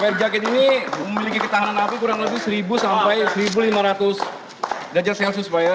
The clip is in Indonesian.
air jaket ini memiliki ketahanan api kurang lebih seribu sampai seribu lima ratus derajat celcius pak ya